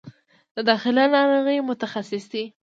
د داخله ناروغیو متخصص دی